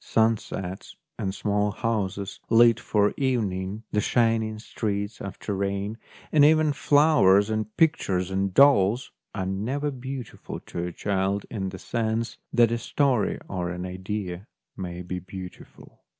Sunsets and small houses lit for evening, the shining streets after rain, and even flowers and pictures and dolls, are never beautiful to a child in the sense that a story or an idea may t>e beautiful.